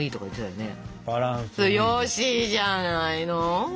よろしいじゃないの！